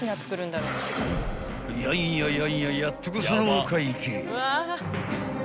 ［やいややいややっとこさのお会計］